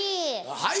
「はい」